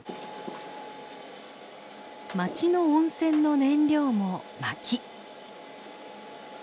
町の温泉の燃料も薪。